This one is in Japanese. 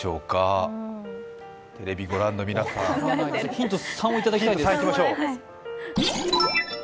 ヒント３をいただきたいです